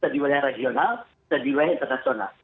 di wilayah regional dan di wilayah internasional